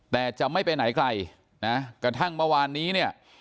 แต่จะไม่ไปไหนไกลนะกระทั่งเมื่อวานนี้เนี่ย